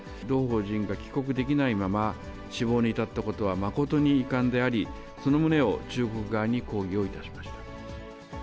同邦人が帰国できないまま死亡に至ったことは誠に遺憾であり、その旨を中国側に抗議をいたしました。